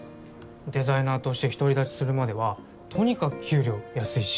デザイナーとして独り立ちするまではとにかく給料安いし。